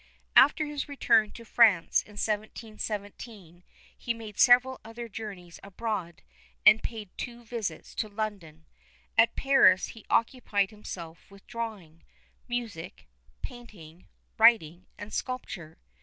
After his return to France, in 1717, he made several other journeys abroad, and paid two visits to London. At Paris he occupied himself with drawing, music, painting, writing, and sculpture.